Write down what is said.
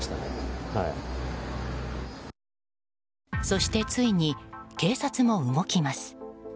そして、ついに警察も動きます。